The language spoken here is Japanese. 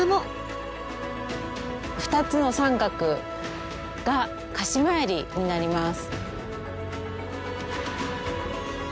２つの三角が鹿島槍になります。